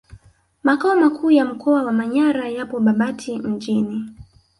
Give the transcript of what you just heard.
Makao makuu ya mkoa wa Manyara yapo Babati Mjini